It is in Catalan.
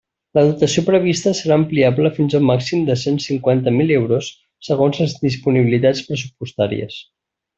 La dotació prevista serà ampliable fins a un màxim de cent cinquanta mil euros segons les disponibilitats pressupostàries.